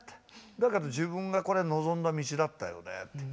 だけど自分がこれ望んだ道だったよねって。